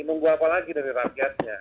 menunggu apa lagi dari rakyatnya